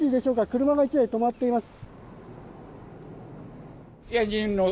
車が１台止まっています。